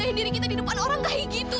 seseorang sudah pulang dari dalam ruangan itu